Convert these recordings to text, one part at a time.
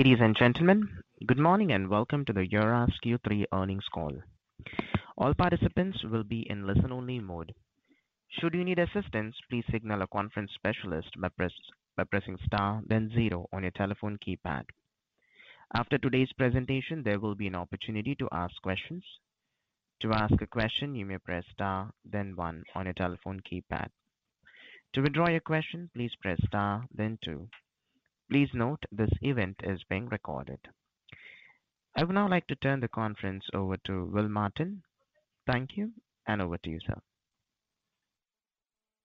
Ladies and gentlemen, good morning, and welcome to the IRRAS Q3 earnings call. All participants will be in listen-only mode. Should you need assistance, please signal a conference specialist by pressing star then zero on your telephone keypad. After today's presentation, there will be an opportunity to ask questions. To ask a question, you may press star then one on your telephone keypad. To withdraw your question, please press star then two. Please note this event is being recorded. I would now like to turn the conference over to Will Martin. Thank you, and over to you, sir.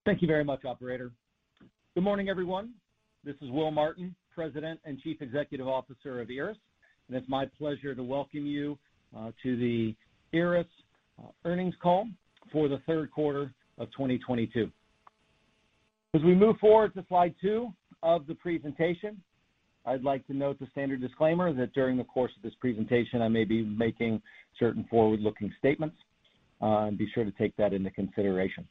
Thank you very much, operator. Good morning, everyone. This is Will Martin, President and Chief Executive Officer of IRRAS, and it's my pleasure to welcome you to the IRRAS earnings call for the third quarter of 2022. As we move forward to slide 2 of the presentation, I'd like to note the standard disclaimer that during the course of this presentation, I may be making certain forward-looking statements, and be sure to take that into consideration.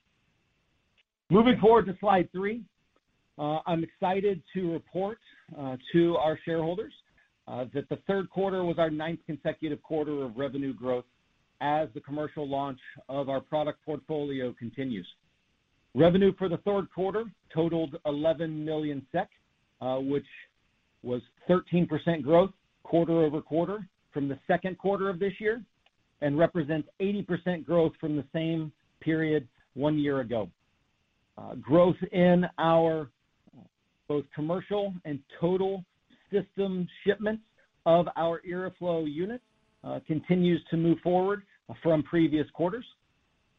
Moving forward to slide 3. I'm excited to report to our shareholders that the third quarter was our ninth consecutive quarter of revenue growth as the commercial launch of our product portfolio continues. Revenue for the third quarter totaled 11 million SEK, which was 13% growth quarter-over-quarter from the second quarter of this year and represents 80% growth from the same period one year ago. Growth in both commercial and total system shipments of our IRRAflow unit continues to move forward from previous quarters.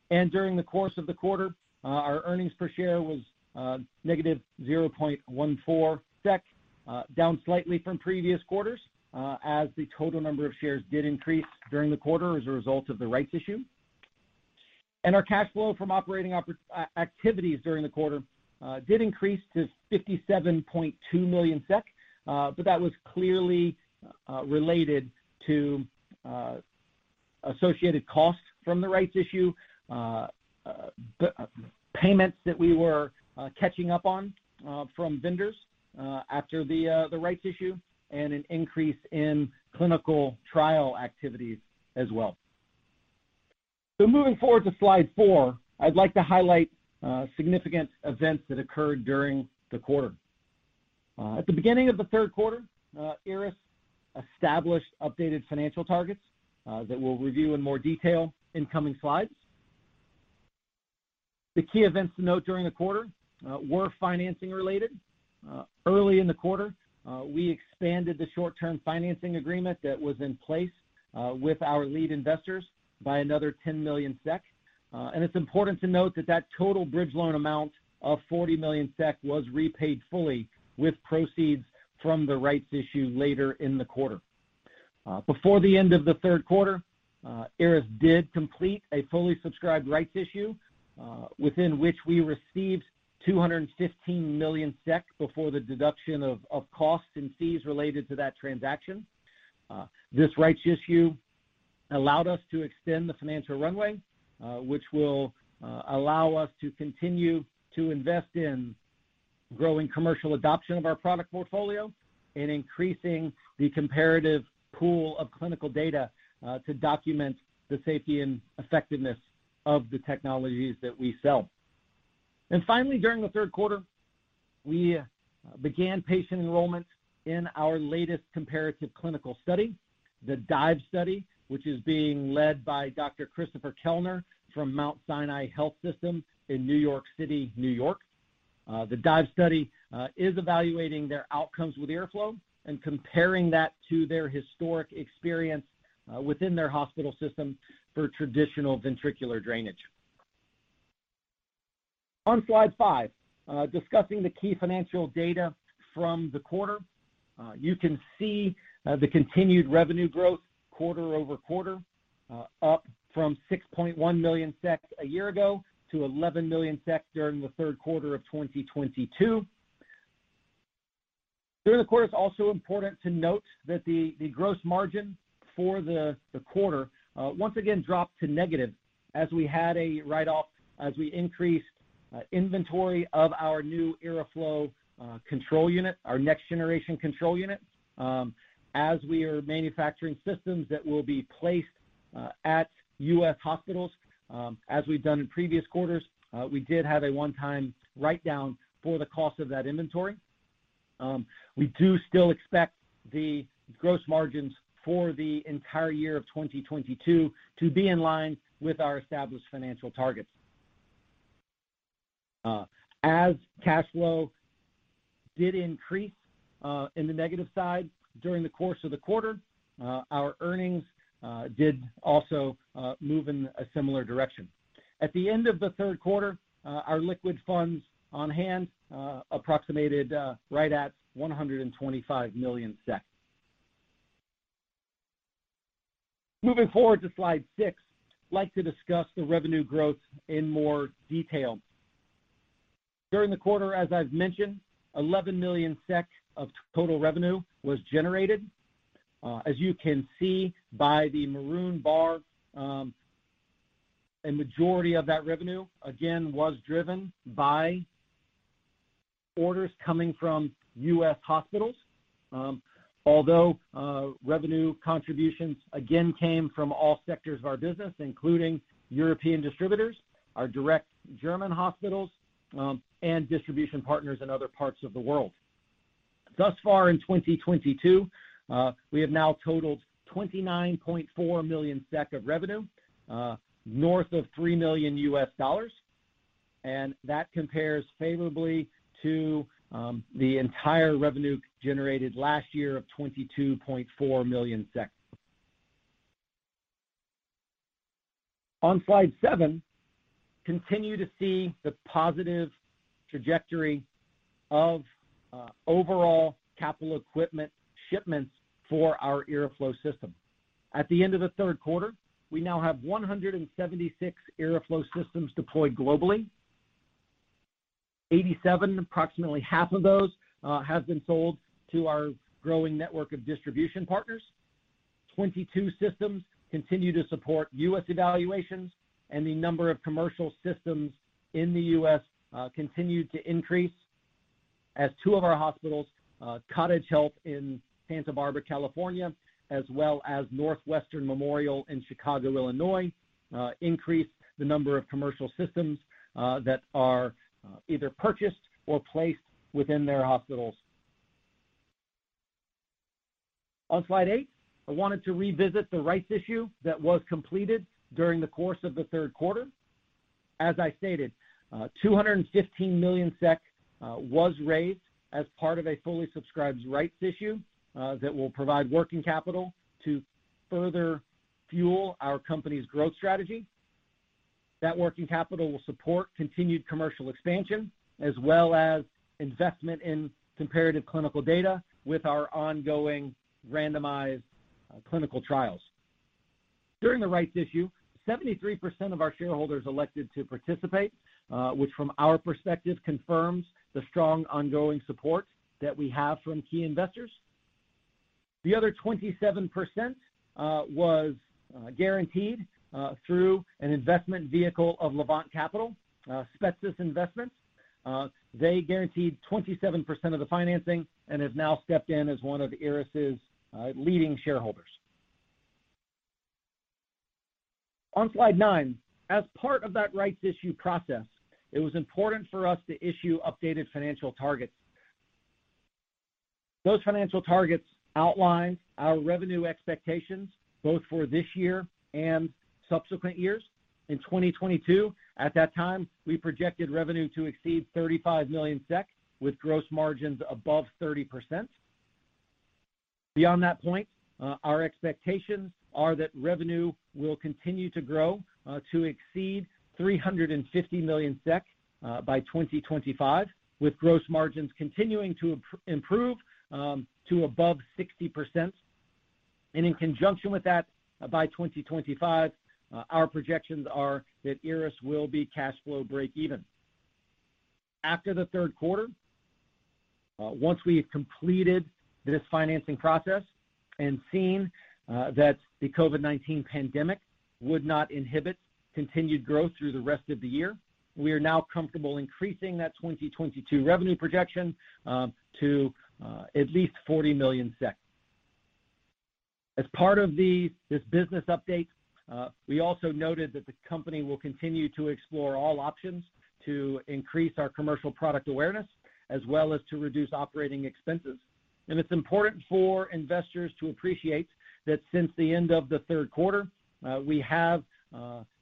During the course of the quarter, our earnings per share was -0.14 SEK, down slightly from previous quarters, as the total number of shares did increase during the quarter as a result of the rights issue. Our cash flow from operating activities during the quarter did increase to 57.2 million SEK, but that was clearly related to associated costs from the rights issue, payments that we were catching up on from vendors after the rights issue and an increase in clinical trial activities as well. Moving forward to slide 4, I'd like to highlight significant events that occurred during the quarter. At the beginning of the third quarter, IRRAS established updated financial targets that we'll review in more detail in coming slides. The key events to note during the quarter were financing related. Early in the quarter, we expanded the short-term financing agreement that was in place with our lead investors by another 10 million SEK. It's important to note that total bridge loan amount of 40 million SEK was repaid fully with proceeds from the rights issue later in the quarter. Before the end of the third quarter, IRRAS did complete a fully subscribed rights issue, within which we received 215 million SEK before the deduction of costs and fees related to that transaction. This rights issue allowed us to extend the financial runway, which will allow us to continue to invest in growing commercial adoption of our product portfolio and increasing the comparative pool of clinical data, to document the safety and effectiveness of the technologies that we sell. Finally, during the third quarter, we began patient enrollment in our latest comparative clinical study, the DIVE Study, which is being led by Dr. Christopher P. Kellner from Mount Sinai Health System in New York City, New York. The DIVE Study is evaluating their outcomes with IRRAflow and comparing that to their historic experience within their hospital system for traditional ventricular drainage. On slide five, discussing the key financial data from the quarter. You can see the continued revenue growth quarter-over-quarter, up from 6.1 million a year ago to 11 million during the third quarter of 2022. During the quarter, it's also important to note that the gross margin for the quarter once again dropped to negative as we had a write-off as we increased inventory of our new IRRAflow control unit, our next generation control unit. As we are manufacturing systems that will be placed at U.S. hospitals, as we've done in previous quarters, we did have a one-time write-down for the cost of that inventory. We do still expect the gross margins for the entire year of 2022 to be in line with our established financial targets. As cash flow did increase in the negative side during the course of the quarter, our earnings did also move in a similar direction. At the end of the third quarter, our liquid funds on hand approximated right at SEK 125 million. Moving forward to slide six, like to discuss the revenue growth in more detail. During the quarter, as I've mentioned, 11 million SEK of total revenue was generated. As you can see by the maroon bar, a majority of that revenue, again, was driven by orders coming from U.S. hospitals, although revenue contributions again came from all sectors of our business, including European distributors, our direct German hospitals, and distribution partners in other parts of the world. Thus far in 2022, we have now totaled 29.4 million SEK of revenue north of $3 million, and that compares favorably to the entire revenue generated last year of 22.4 million. On slide seven, continue to see the positive trajectory of overall capital equipment shipments for our IRRAflow system. At the end of the third quarter, we now have 176 IRRAflow systems deployed globally. 87, approximately half of those, have been sold to our growing network of distribution partners. 22 systems continue to support US evaluations, and the number of commercial systems in the US continue to increase as two of our hospitals, Cottage Health in Santa Barbara, California, as well as Northwestern Memorial in Chicago, Illinois, increase the number of commercial systems that are either purchased or placed within their hospitals. On slide 8, I wanted to revisit the rights issue that was completed during the course of the third quarter. As I stated, 215 million SEK was raised as part of a fully subscribed rights issue that will provide working capital to further fuel our company's growth strategy. That working capital will support continued commercial expansion as well as investment in comparative clinical data with our ongoing randomized clinical trials. During the rights issue, 73% of our shareholders elected to participate, which from our perspective confirms the strong ongoing support that we have from key investors. The other 27% was guaranteed through an investment vehicle of Levant Capital, Spectus Investments. They guaranteed 27% of the financing and have now stepped in as one of IRRAS's leading shareholders. On Slide 9, as part of that rights issue process, it was important for us to issue updated financial targets. Those financial targets outline our revenue expectations both for this year and subsequent years. In 2022, at that time, we projected revenue to exceed 35 million SEK with gross margins above 30%. Beyond that point, our expectations are that revenue will continue to grow to exceed 350 million SEK by 2025, with gross margins continuing to improve to above 60%. In conjunction with that, by 2025, our projections are that IRRAS will be cash flow break-even. After the third quarter, once we have completed this financing process and seen that the COVID-19 pandemic would not inhibit continued growth through the rest of the year, we are now comfortable increasing that 2022 revenue projection to at least 40 million. As part of this business update, we also noted that the company will continue to explore all options to increase our commercial product awareness as well as to reduce operating expenses. It's important for investors to appreciate that since the end of the third quarter, we have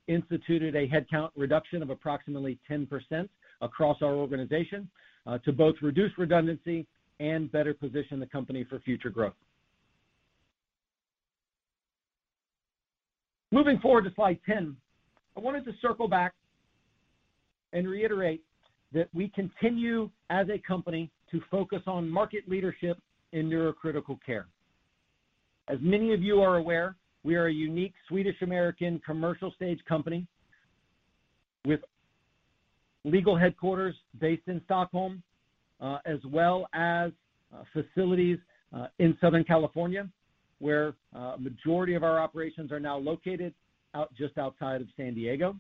instituted a headcount reduction of approximately 10% across our organization to both reduce redundancy and better position the company for future growth. Moving forward to slide 10, I wanted to circle back and reiterate that we continue as a company to focus on market leadership in neurocritical care. As many of you are aware, we are a unique Swedish-American commercial stage company with legal headquarters based in Stockholm as well as facilities in Southern California, where a majority of our operations are now located just outside of San Diego.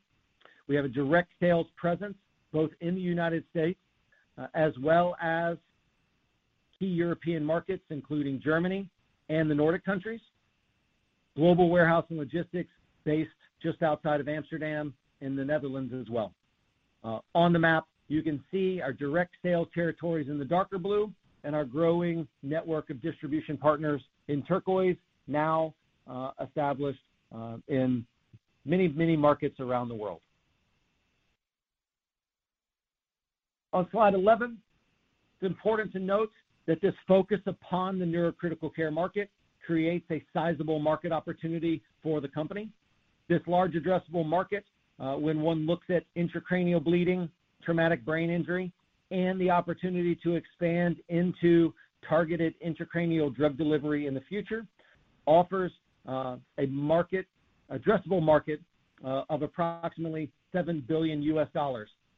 We have a direct sales presence both in the United States as well as key European markets, including Germany and the Nordic countries. Our global warehouse and logistics are based just outside of Amsterdam in the Netherlands as well. On the map, you can see our direct sales territories in the darker blue and our growing network of distribution partners in turquoise now established in many, many markets around the world. On slide 11, it's important to note that this focus upon the neurocritical care market creates a sizable market opportunity for the company. This large addressable market, when one looks at intracranial bleeding, traumatic brain injury, and the opportunity to expand into targeted intracranial drug delivery in the future, offers an addressable market of approximately $7 billion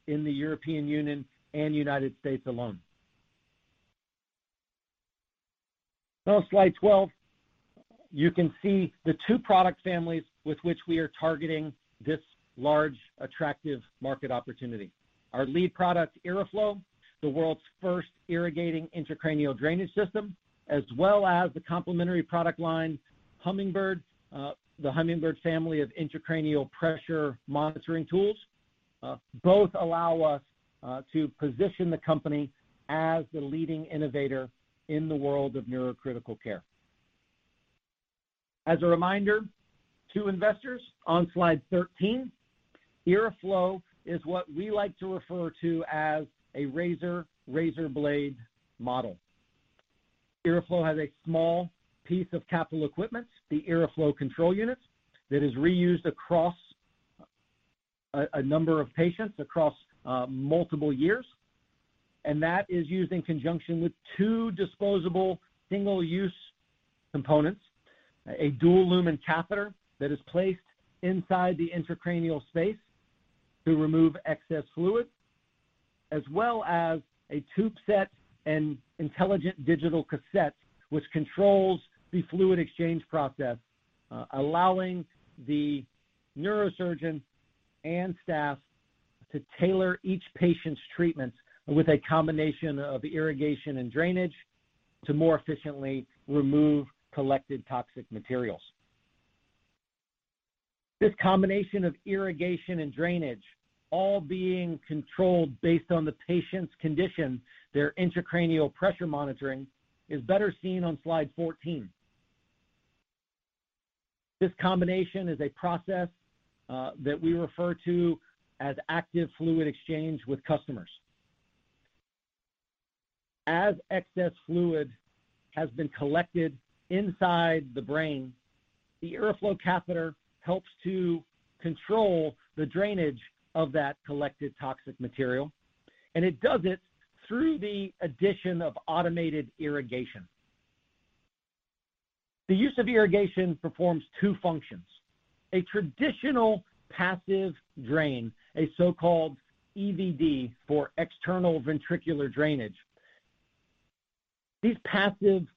in the European Union and United States alone. On slide 12, you can see the two product families with which we are targeting this large, attractive market opportunity. Our lead product, IRRAflow, the world's first irrigating intracranial drainage system, as well as the complementary product line Hummingbird, the Hummingbird family of intracranial pressure monitoring tools, both allow us to position the company as the leading innovator in the world of neurocritical care. As a reminder to investors on slide 13, IRRAflow is what we like to refer to as a razor blade model. IRRAflow has a small piece of capital equipment, the IRRAflow control unit, that is reused across a number of patients across multiple years, and that is used in conjunction with two disposable single-use components, a dual-lumen catheter that is placed inside the intracranial space to remove excess fluid, as well as a tube set and Intelligent Cassette which controls the fluid exchange process, allowing the neurosurgeon and staff to tailor each patient's treatment with a combination of irrigation and drainage to more efficiently remove collected toxic materials. This combination of irrigation and drainage is controlled based on the patient's condition, their intracranial pressure monitoring, is better seen on slide 14. This combination is a process that we refer to as active fluid exchange with customers. As excess fluid has been collected inside the brain, the IRRAflow catheter helps to control the drainage of that collected toxic material, and it does it through the addition of automated irrigation. The use of irrigation performs two functions. A traditional passive drain, a so-called EVD for external ventricular drainage. These passive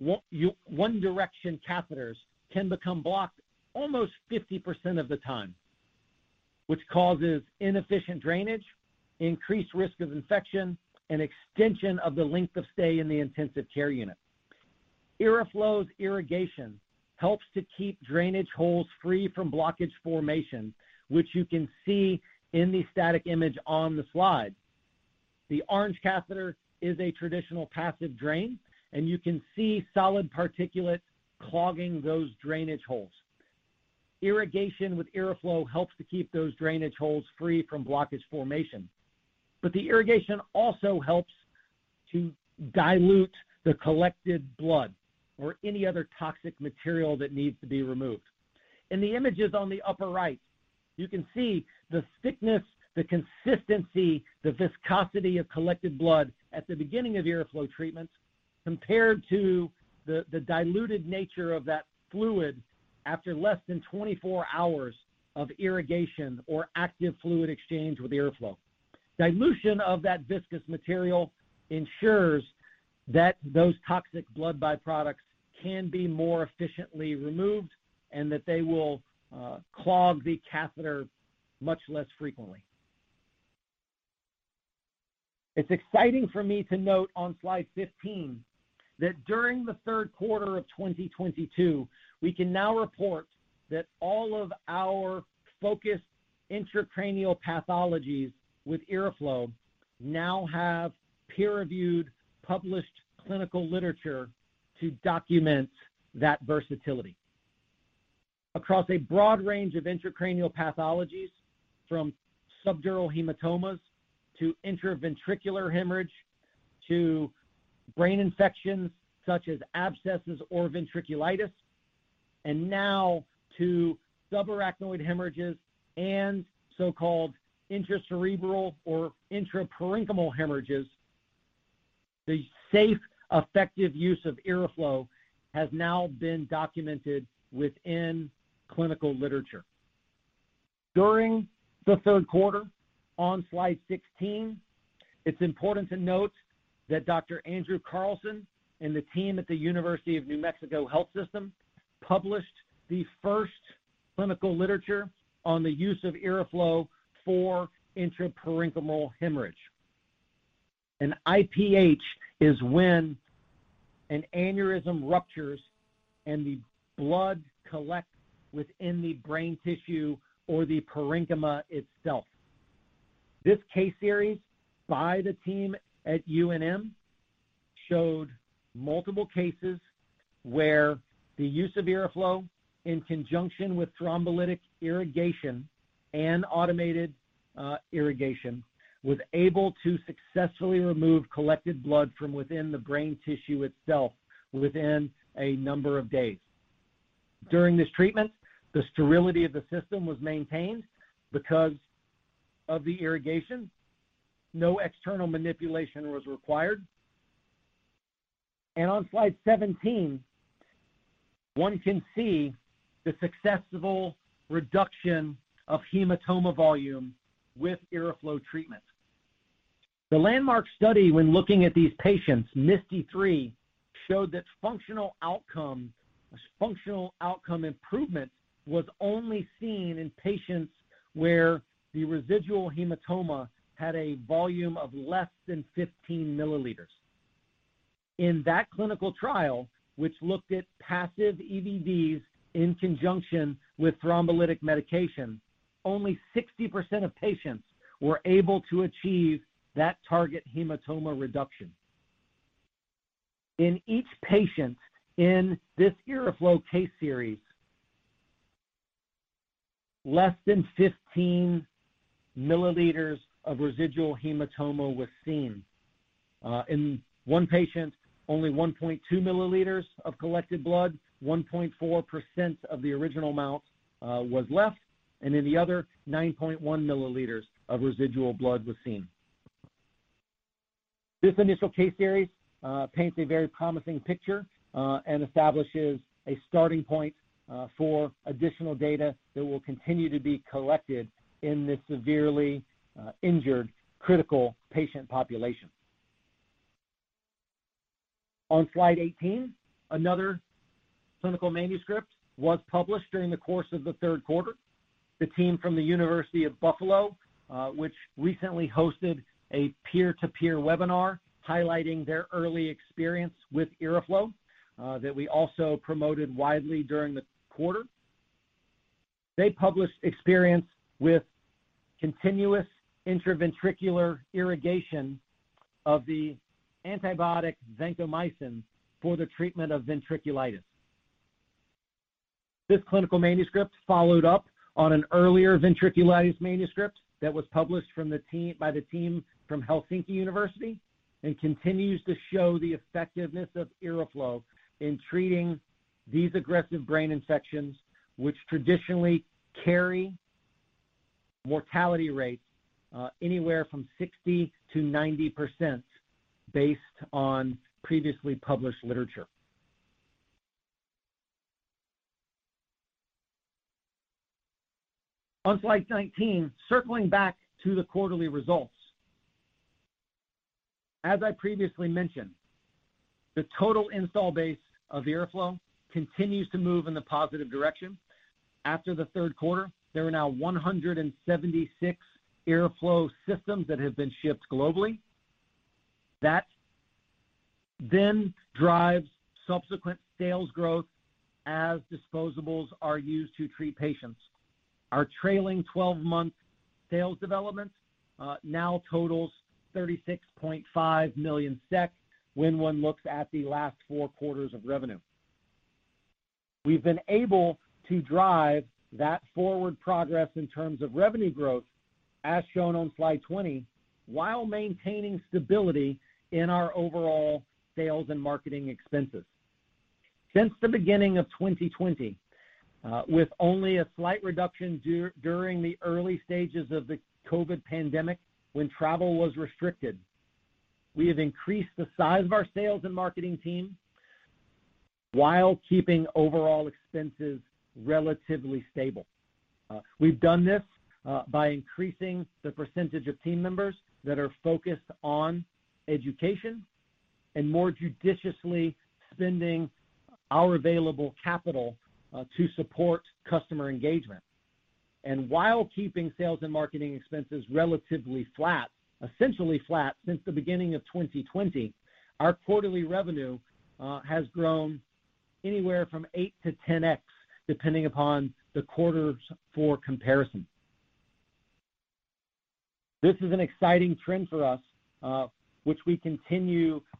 one direction catheters can become blocked almost 50% of the time, which causes inefficient drainage, increased risk of infection, and extension of the length of stay in the intensive care unit. IRRAflow's irrigation helps to keep drainage holes free from blockage formation, which you can see in the static image on the slide. The orange catheter is a traditional passive drain, and you can see solid particulates clogging those drainage holes. Irrigation with IRRAflow helps to keep those drainage holes free from blockage formation. The irrigation also helps to dilute the collected blood or any other toxic material that needs to be removed. In the images on the upper right, you can see the thickness, the consistency, the viscosity of collected blood at the beginning of IRRAflow treatment compared to the diluted nature of that fluid after less than 24 hours of irrigation or active fluid exchange with IRRAflow. Dilution of that viscous material ensures that those toxic blood byproducts can be more efficiently removed and that they will clog the catheter much less frequently. It's exciting for me to note on slide 15 that during the third quarter of 2022, we can now report that all of our focused intracranial pathologies with IRRAflow now have peer-reviewed published clinical literature to document that versatility. Across a broad range of intracranial pathologies from subdural hematomas to intraventricular hemorrhage to brain infections such as abscesses or ventriculitis and now to subarachnoid hemorrhages and so-called intracerebral or intraparenchymal hemorrhages, the safe, effective use of IRRAflow has now been documented within clinical literature. During the third quarter on slide 16, it's important to note that Dr. Andrew Carlson and the team at the University of New Mexico Health System published the first clinical literature on the use of IRRAflow for intraparenchymal hemorrhage. An IPH is when an aneurysm ruptures and the blood collects within the brain tissue or the parenchyma itself. This case series by the team at UNM showed multiple cases where the use of IRRAflow in conjunction with thrombolytic irrigation and automated irrigation was able to successfully remove collected blood from within the brain tissue itself within a number of days. During this treatment, the sterility of the system was maintained because of the irrigation. No external manipulation was required. On slide 17, one can see the successful reduction of hematoma volume with IRRAflow treatment. The landmark study when looking at these patients, MISTIE III, showed that functional outcome improvement was only seen in patients where the residual hematoma had a volume of less than 15 milliliters. In that clinical trial, which looked at passive EVDs in conjunction with thrombolytic medication, only 60% of patients were able to achieve that target hematoma reduction. In each patient in this IRRAflow case series, less than 15 milliliters of residual hematoma was seen. In one patient, only 1.2 milliliters of collected blood, 1.4% of the original amount, was left, and in the other, 9.1 milliliters of residual blood was seen. This initial case series paints a very promising picture and establishes a starting point for additional data that will continue to be collected in this severely injured critical patient population. On slide 18, another clinical manuscript was published during the course of the third quarter. The team from the University at Buffalo, which recently hosted a peer-to-peer webinar highlighting their early experience with IRRAflow, that we also promoted widely during the quarter. They published experience with continuous intraventricular irrigation of the antibiotic vancomycin for the treatment of ventriculitis. This clinical manuscript followed up on an earlier ventriculitis manuscript that was published by the team from the University of Helsinki and continues to show the effectiveness of IRRAflow in treating these aggressive brain infections, which traditionally carry mortality rates anywhere from 60%-90% based on previously published literature. On slide 19, circling back to the quarterly results. As I previously mentioned, the total install base of IRRAflow continues to move in the positive direction. After the third quarter, there are now 176 IRRAflow systems that have been shipped globally. That then drives subsequent sales growth as disposables are used to treat patients. Our trailing twelve-month sales development now totals 36.5 million SEK when one looks at the last four quarters of revenue. We've been able to drive that forward progress in terms of revenue growth as shown on slide 20, while maintaining stability in our overall sales and marketing expenses. Since the beginning of 2020, with only a slight reduction during the early stages of the COVID pandemic when travel was restricted, we have increased the size of our sales and marketing team while keeping overall expenses relatively stable. We've done this by increasing the percentage of team members that are focused on education and more judiciously spending our available capital to support customer engagement. While keeping sales and marketing expenses relatively flat, essentially flat since the beginning of 2020, our quarterly revenue has grown anywhere from 8 to 10x, depending upon the quarters for comparison. This is an exciting trend for us, which we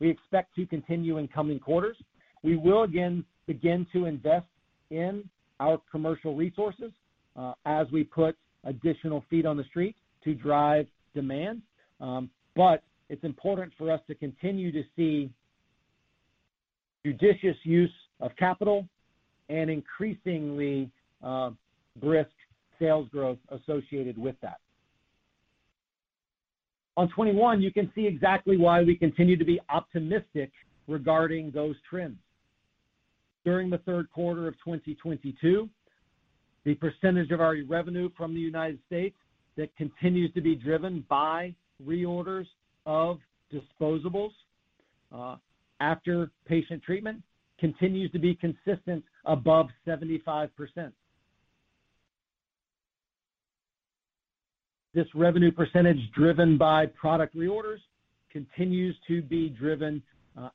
expect to continue in coming quarters. We will, again, begin to invest in our commercial resources as we put additional feet on the street to drive demand. It's important for us to continue to see judicious use of capital and increasingly brisk sales growth associated with that. On slide 21, you can see exactly why we continue to be optimistic regarding those trends. During the third quarter of 2022, the percentage of our revenue from the United States that continues to be driven by reorders of disposables after patient treatment continues to be consistent above 75%. This revenue percentage driven by product reorders continues to be driven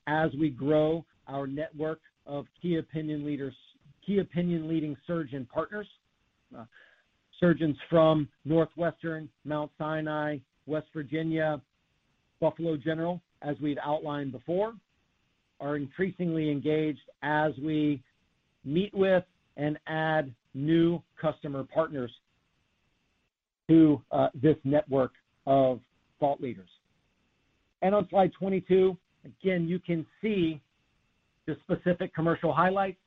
as we grow our network of key opinion leading surgeon partners. Surgeons from Northwestern, Mount Sinai, West Virginia, Buffalo General, as we've outlined before, are increasingly engaged as we meet with and add new customer partners to this network of thought leaders. On slide 22, again, you can see the specific commercial highlights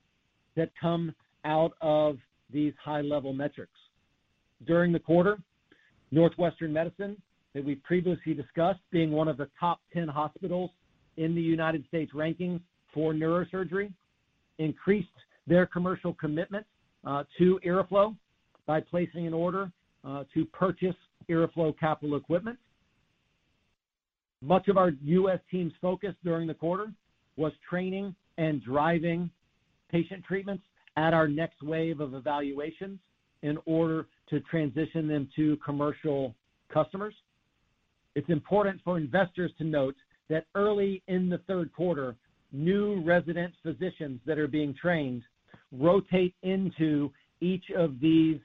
that come out of these high-level metrics. During the quarter, Northwestern Medicine that we previously discussed being one of the top 10 hospitals in the United States ranking for neurosurgery increased their commercial commitment to IRRAflow by placing an order to purchase IRRAflow capital equipment. Much of our U.S. team's focus during the quarter was training and driving patient treatments at our next wave of evaluations in order to transition them to commercial customers. It's important for investors to note that early in the third quarter, new resident physicians that are being trained rotate into each of these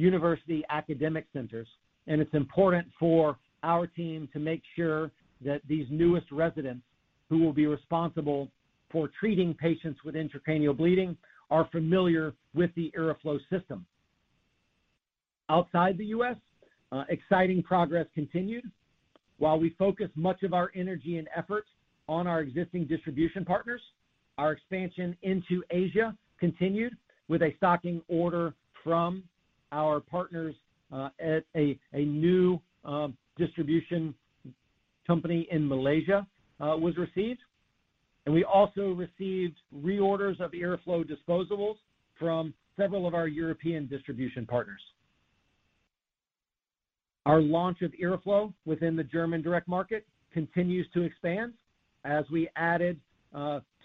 university academic centers, and it's important for our team to make sure that these newest residents who will be responsible for treating patients with intracranial bleeding are familiar with the IRRAflow system. Outside the U.S., exciting progress continued. While we focus much of our energy and effort on our existing distribution partners, our expansion into Asia continued with a stocking order from our partners at a new distribution company in Malaysia was received, and we also received reorders of IRRAflow disposables from several of our European distribution partners. Our launch of IRRAflow within the German direct market continues to expand as we added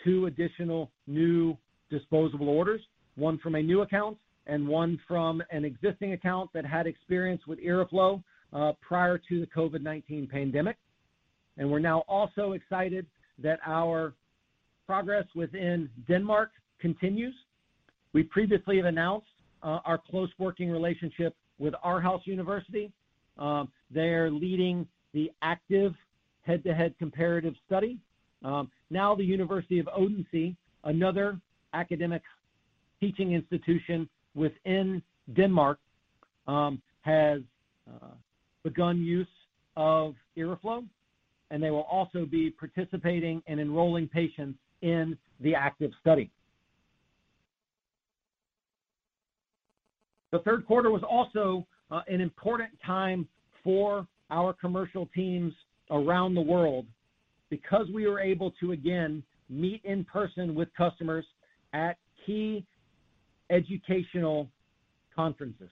two additional new disposable orders, one from a new account and one from an existing account that had experience with IRRAflow prior to the COVID-19 pandemic, and we're now also excited that our progress within Denmark continues. We previously have announced our close working relationship with Aarhus University. They're leading the ACTIVE head-to-head comparative study. Now the University of Southern Denmark, another academic teaching institution within Denmark, has begun use of IRRAflow, and they will also be participating and enrolling patients in the ACTIVE study. The third quarter was also an important time for our commercial teams around the world because we were able to again meet in person with customers at key educational conferences.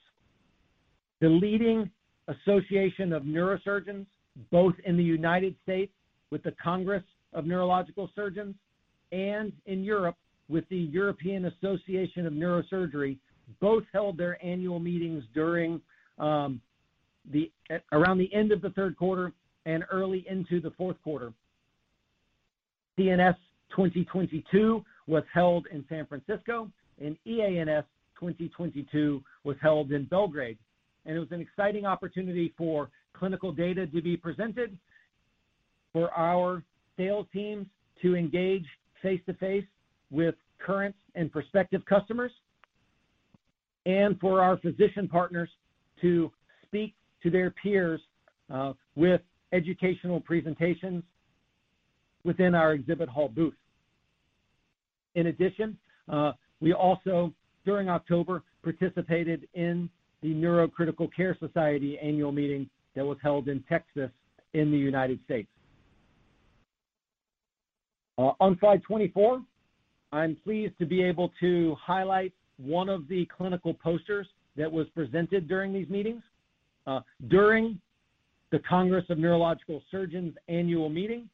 The leading association of neurosurgeons, both in the United States with the Congress of Neurological Surgeons and in Europe with the European Association of Neurosurgical Societies, both held their annual meetings around the end of the third quarter and early into the fourth quarter. CNS 2022 was held in San Francisco, and EANS 2022 was held in Belgrade, and it was an exciting opportunity for clinical data to be presented, for our sales teams to engage face-to-face with current and prospective customers, and for our physician partners to speak to their peers with educational presentations within our exhibit hall booth. In addition, we also, during October, participated in the Neurocritical Care Society annual meeting that was held in Texas in the United States. On slide 24, I'm pleased to be able to highlight one of the clinical posters that was presented during these meetings. During the Congress of Neurological Surgeons annual meeting,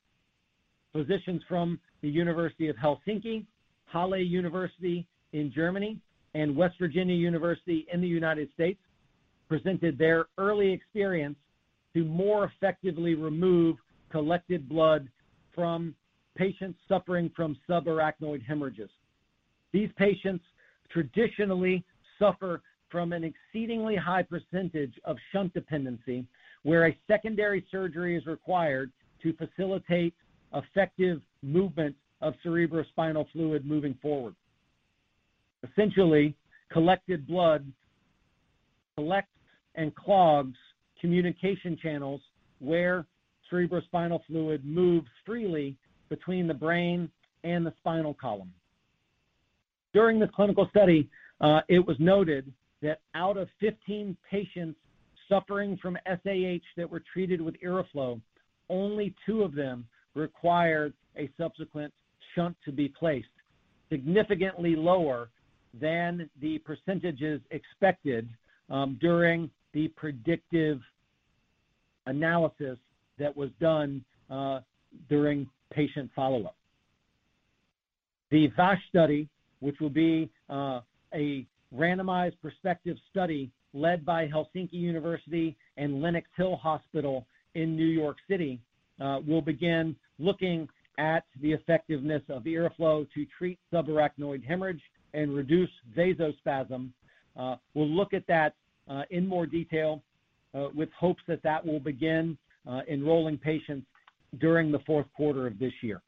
physicians from the University of Helsinki, Martin Luther University of Halle-Wittenberg, and West Virginia University in the United States presented their early experience to more effectively remove collected blood from patients suffering from subarachnoid hemorrhages. These patients traditionally suffer from an exceedingly high percentage of shunt dependency, where a secondary surgery is required to facilitate effective movement of cerebrospinal fluid moving forward. Essentially, collected blood collects and clogs communication channels where cerebrospinal fluid moves freely between the brain and the spinal column. During the clinical study, it was noted that out of 15 patients suffering from SAH that were treated with IRRAflow, only two of them required a subsequent shunt to be placed, significantly lower than the percentages expected during the predictive analysis that was done during patient follow-up. The FASH study, which will be a randomized prospective study led by University of Helsinki and Lenox Hill Hospital in New York City, will begin looking at the effectiveness of IRRAflow to treat subarachnoid hemorrhage and reduce vasospasm. We'll look at that in more detail with hopes that that will begin enrolling patients during the fourth quarter of this year.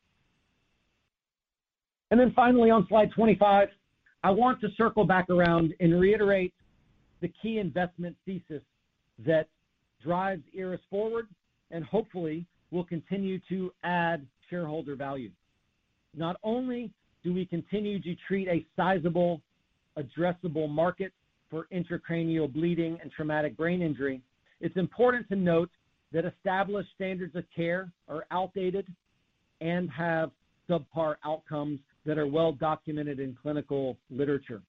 Finally, on slide 25, I want to circle back around and reiterate the key investment thesis that drives IRRAS forward and hopefully will continue to add shareholder value. Not only do we continue to treat a sizable addressable market for intracranial bleeding and traumatic brain injury, it's important to note that established standards of care are outdated and have subpar outcomes that are well documented in clinical literature.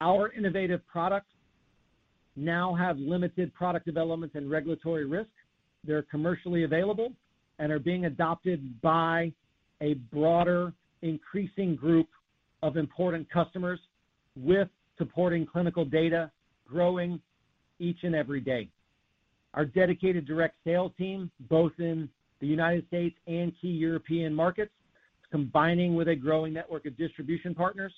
Our innovative products now have limited product development and regulatory risk. They're commercially available and are being adopted by a broader, increasing group of important customers with supporting clinical data growing each and every day. Our dedicated direct sales team, both in the United States and key European markets, combining with a growing network of distribution partners,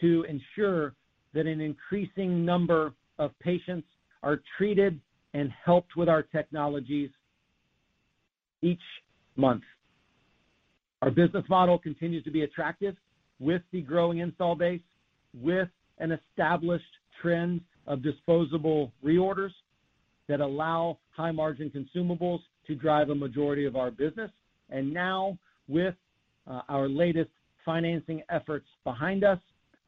to ensure that an increasing number of patients are treated and helped with our technologies each month. Our business model continues to be attractive with the growing install base, with an established trend of disposable reorders that allow high-margin consumables to drive a majority of our business. Now, with our latest financing efforts behind us,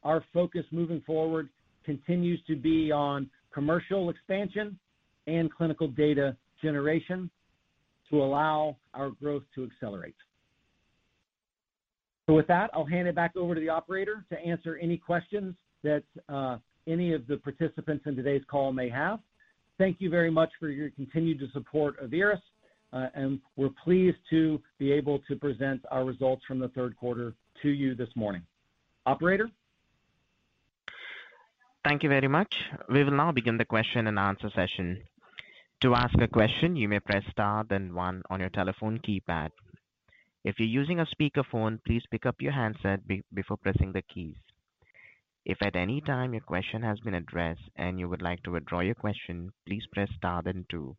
our focus moving forward continues to be on commercial expansion and clinical data generation to allow our growth to accelerate. With that, I'll hand it back over to the operator to answer any questions that, any of the participants in today's call may have. Thank you very much for your continued support of IRRAS, and we're pleased to be able to present our results from the third quarter to you this morning. Operator? Thank you very much. We will now begin the question and answer session. To ask a question, you may press star then one on your telephone keypad. If you're using a speakerphone, please pick up your handset before pressing the keys. If at any time your question has been addressed and you would like to withdraw your question, please press star then two.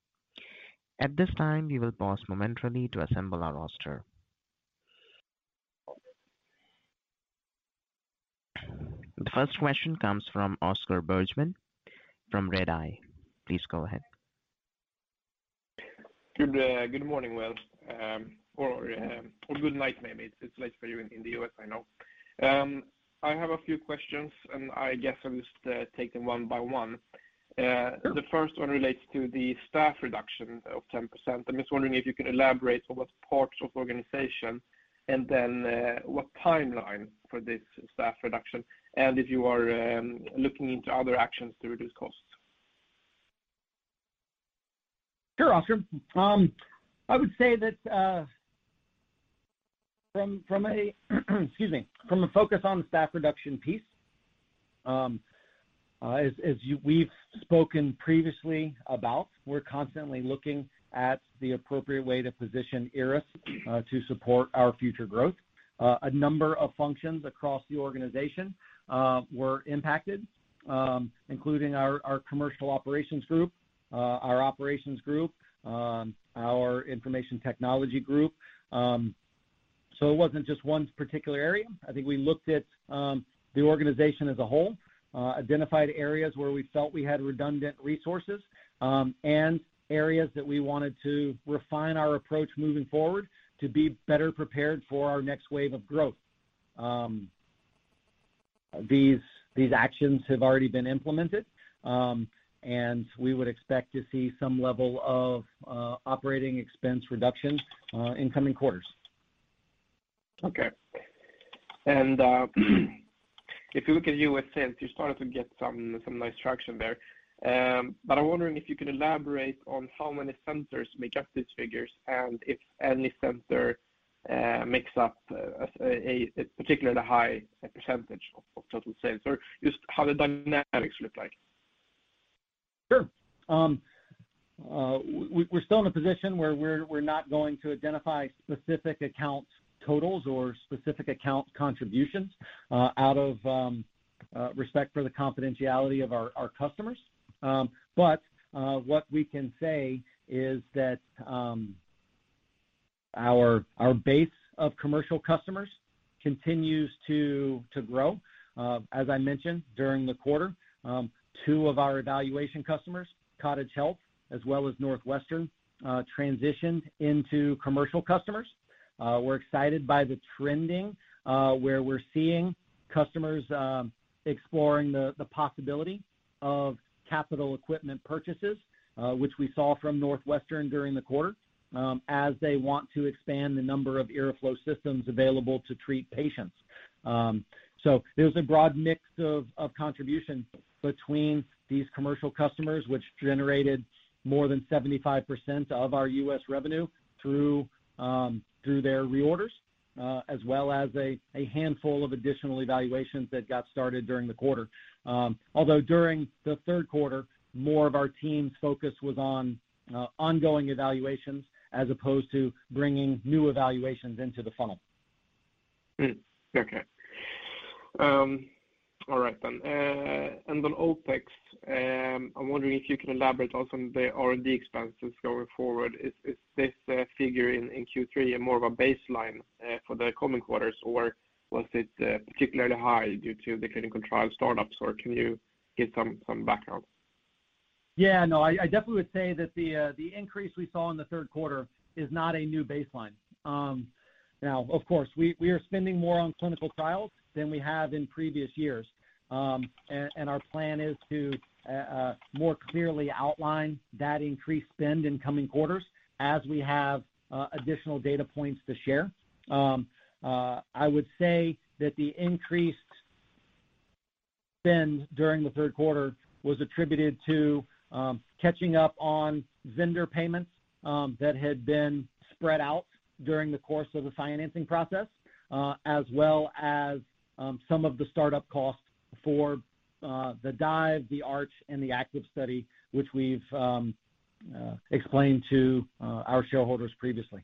At this time, we will pause momentarily to assemble our roster. The first question comes from Oscar Bergman from Redeye. Please go ahead. Good morning, Will. Or good night maybe. It's late for you in the U.S., I know. I have a few questions, and I guess I'll just take them one by one. Sure. The first one relates to the staff reduction of 10%. I'm just wondering if you could elaborate on what parts of organization and then what timeline for this staff reduction and if you are looking into other actions to reduce costs? Sure, Oskar. I would say that from a focus on the staff reduction piece, as we've spoken previously about, we're constantly looking at the appropriate way to position IRRAS to support our future growth. A number of functions across the organization were impacted, including our commercial operations group, our operations group, our information technology group. It wasn't just one particular area. I think we looked at the organization as a whole, identified areas where we felt we had redundant resources, and areas that we wanted to refine our approach moving forward to be better prepared for our next wave of growth. These actions have already been implemented, and we would expect to see some level of operating expense reduction in coming quarters. Okay. If you look at U.S. sales, you started to get some nice traction there. I'm wondering if you could elaborate on how many centers make up these figures and if any center makes up a particularly high percentage of total sales or just how the dynamics look like. Sure. We're still in a position where we're not going to identify specific account totals or specific account contributions, out of respect for the confidentiality of our customers. What we can say is that our base of commercial customers continues to grow. As I mentioned during the quarter, two of our evaluation customers, Cottage Health as well as Northwestern, transitioned into commercial customers. We're excited by the trending, where we're seeing customers exploring the possibility of capital equipment purchases, which we saw from Northwestern during the quarter, as they want to expand the number of IRRAflow systems available to treat patients. There's a broad mix of contributions between these commercial customers, which generated more than 75% of our U.S. revenue through their reorders, as well as a handful of additional evaluations that got started during the quarter. Although during the third quarter, more of our team's focus was on ongoing evaluations as opposed to bringing new evaluations into the funnel. Okay. All right then. On OpEx, I'm wondering if you can elaborate also on the R&D expenses going forward. Is this figure in Q3 more of a baseline for the coming quarters, or was it particularly high due to the clinical trial startups, or can you give some background? Yeah, no, I definitely would say that the increase we saw in the third quarter is not a new baseline. Now of course, we are spending more on clinical trials than we have in previous years. Our plan is to more clearly outline that increased spend in coming quarters as we have additional data points to share. I would say that the increased spend during the third quarter was attributed to catching up on vendor payments that had been spread out during the course of the financing process, as well as some of the startup costs for the DIVE, the ARCH, and the ACTIVE study, which we've explained to our shareholders previously.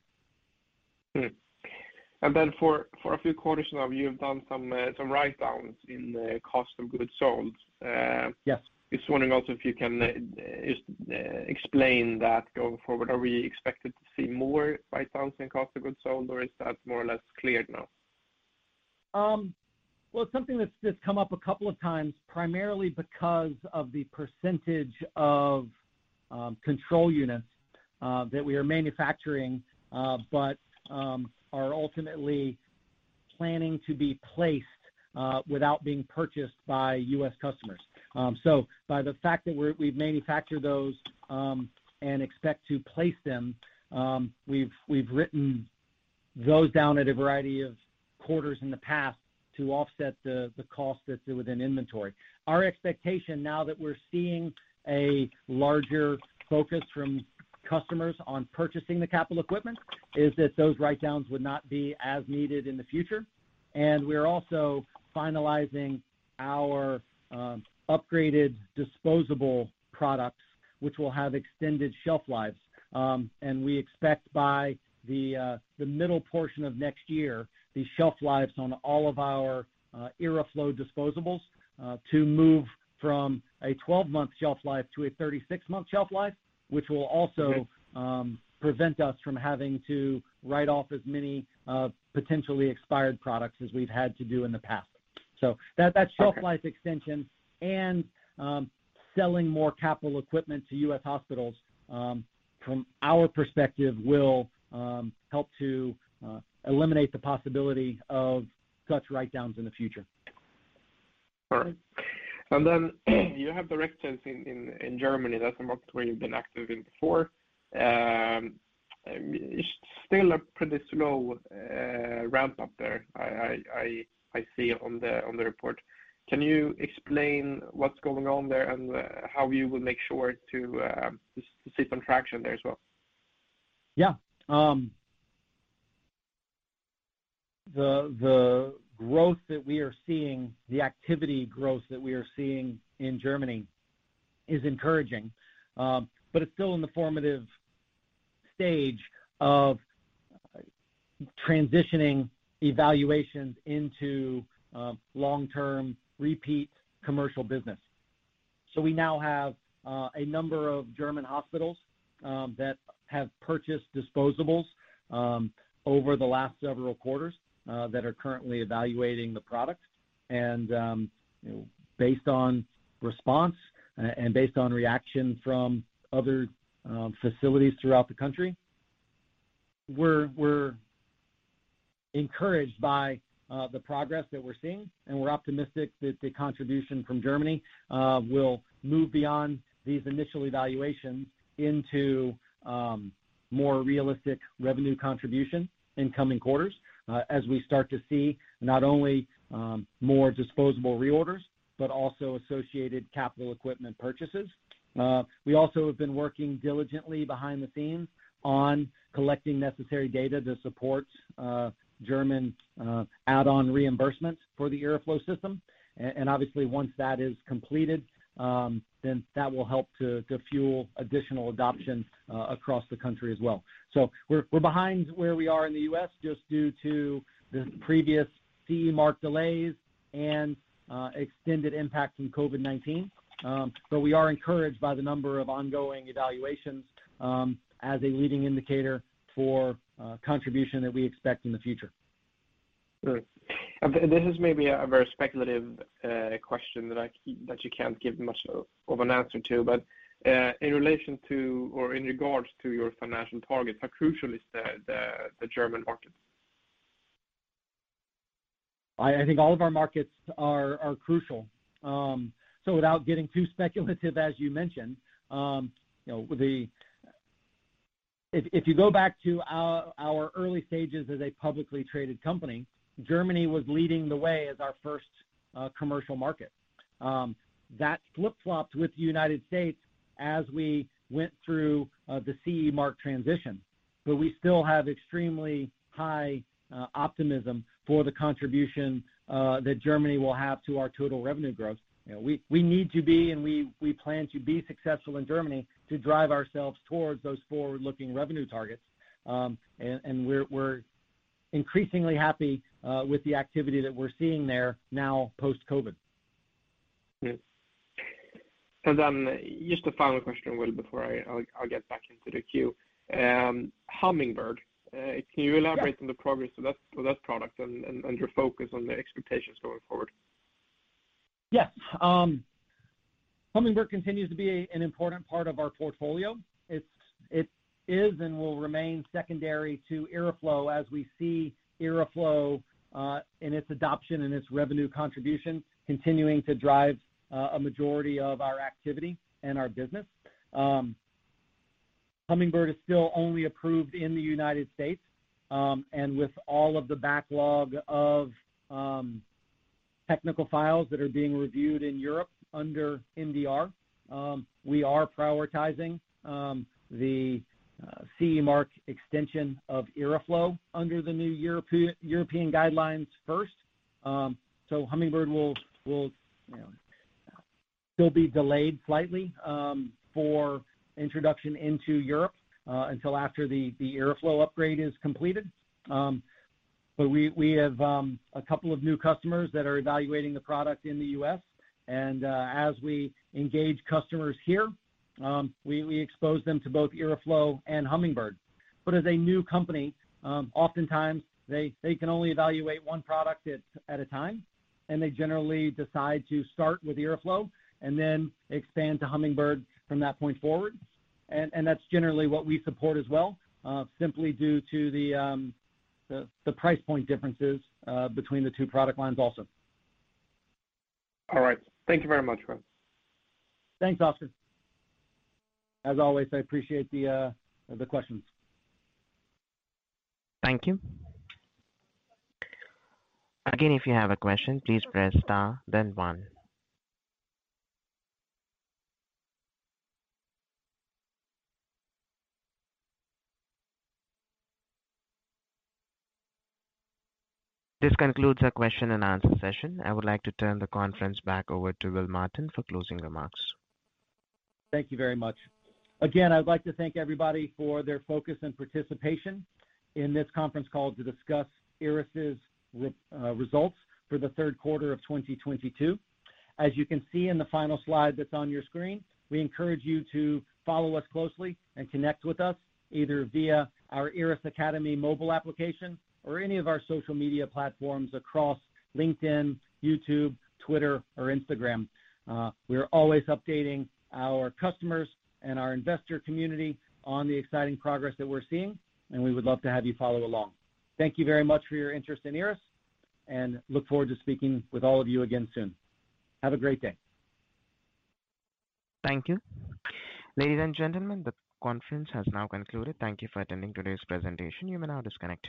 For a few quarters now, you've done some write-downs in the cost of goods sold. Yes. Just wondering also if you can just explain that going forward. Are we expected to see more write-downs in cost of goods sold, or is that more or less cleared now? Well, it's something that's come up a couple of times, primarily because of the percentage of control units that we are manufacturing but are ultimately planning to be placed without being purchased by U.S. customers. By the fact that we've manufactured those and expect to place them, we've written those down at a variety of quarters in the past to offset the cost that's within inventory. Our expectation now that we're seeing a larger focus from customers on purchasing the capital equipment is that those write-downs would not be as needed in the future, and we're also finalizing our upgraded disposable products, which will have extended shelf lives. We expect by the middle portion of next year, the shelf lives on all of our IRRAflow disposables to move from a 12-month shelf life to a 36-month shelf life, which will also Okay prevent us from having to write off as many potentially expired products as we've had to do in the past. That shelf life extension and selling more capital equipment to U.S. hospitals, from our perspective, will help to eliminate the possibility of such write-downs in the future. All right. You have the registration in Germany. That's a market where you've been active in before. It's still a pretty slow ramp up there I see on the report. Can you explain what's going on there and how you will make sure to see some traction there as well? Yeah. The growth that we are seeing, the activity growth that we are seeing in Germany is encouraging. But it's still in the formative stage of transitioning evaluations into long-term repeat commercial business. We now have a number of German hospitals that have purchased disposables over the last several quarters that are currently evaluating the product. Based on response and based on reaction from other facilities throughout the country, we're encouraged by the progress that we're seeing, and we're optimistic that the contribution from Germany will move beyond these initial evaluations into more realistic revenue contribution in coming quarters as we start to see not only more disposable reorders, but also associated capital equipment purchases. We also have been working diligently behind the scenes on collecting necessary data to support German add-on reimbursements for the IRRAflow system. Obviously, once that is completed, then that will help to fuel additional adoption across the country as well. We're behind where we are in the U.S. just due to the previous CE mark delays and extended impact from COVID-19. We are encouraged by the number of ongoing evaluations as a leading indicator for contribution that we expect in the future. Good. This is maybe a very speculative question that you can't give much of an answer to, but in relation to or in regards to your financial targets, how crucial is the German market? I think all of our markets are crucial. Without getting too speculative, as you mentioned, you know, if you go back to our early stages as a publicly traded company, Germany was leading the way as our first commercial market. That flip-flopped with the United States as we went through the CE mark transition. We still have extremely high optimism for the contribution that Germany will have to our total revenue growth. You know, we need to be, and we plan to be successful in Germany to drive ourselves towards those forward-looking revenue targets. We're increasingly happy with the activity that we're seeing there now post-COVID. Good. Just a final question, Will, before I'll get back into the queue. Hummingbird, Yeah Can you elaborate on the progress of that product and your focus on the expectations going forward? Yes. Hummingbird continues to be an important part of our portfolio. It is and will remain secondary to IRRAflow as we see IRRAflow in its adoption and its revenue contribution continuing to drive a majority of our activity and our business. Hummingbird is still only approved in the United States, and with all of the backlog of technical files that are being reviewed in Europe under MDR, we are prioritizing the CE mark extension of IRRAflow under the new European guidelines first. Hummingbird will, you know, still be delayed slightly for introduction into Europe until after the IRRAflow upgrade is completed. We have a couple of new customers that are evaluating the product in the U.S. and as we engage customers here, we expose them to both IRRAflow and Hummingbird. As a new company, oftentimes they can only evaluate one product at a time, and they generally decide to start with IRRAflow and then expand to Hummingbird from that point forward. That's generally what we support as well, simply due to the price point differences between the two product lines also. All right. Thank you very much, Will. Thanks, Oscar. As always, I appreciate the questions. Thank you. Again, if you have a question, please press star then one. This concludes our question and answer session. I would like to turn the conference back over to Will Martin for closing remarks. Thank you very much. Again, I'd like to thank everybody for their focus and participation in this conference call to discuss IRRAS's results for the third quarter of 2022. As you can see in the final slide that's on your screen, we encourage you to follow us closely and connect with us either via our IRRAS Academy mobile application or any of our social media platforms across LinkedIn, YouTube, Twitter, or Instagram. We are always updating our customers and our investor community on the exciting progress that we're seeing, and we would love to have you follow along. Thank you very much for your interest in IRRAS, and look forward to speaking with all of you again soon. Have a great day. Thank you. Ladies and gentlemen, the conference has now concluded. Thank you for attending today's presentation. You may now disconnect your lines.